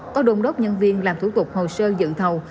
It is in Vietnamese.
có đông đốc nhân viên làm thủ tục hồ sơ dự thầu